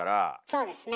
そうですね。